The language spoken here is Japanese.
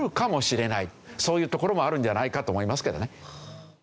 そういうところもあるんじゃないかと思いますけどね。